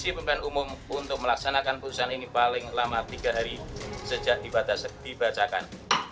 komisi pemilihan umum untuk melaksanakan putusan ini paling lama tiga hari sejak dibacakan